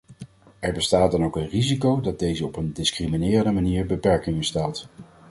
Er bestaat dan ook een risico dat deze op een discriminerende manier beperkingen stelt.